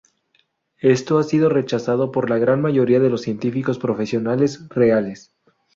Esto ha sido rechazado por la gran mayoría de los científicos profesionales reales.